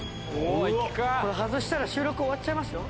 これ外したら収録終わっちゃいますよ？